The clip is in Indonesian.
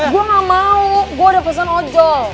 gue gak mau gue udah pesen ojol